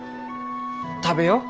食べよう。